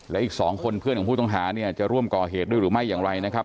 และอีก๒คนเพื่อนของผู้ต้องหาเนี่ยจะร่วมก่อเหตุด้วยหรือไม่อย่างไรนะครับ